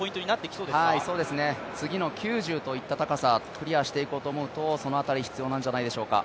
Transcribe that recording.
そうですね、次の９０といった高さクリアしていこうと思うとその辺り必要なんじゃないでしょうか。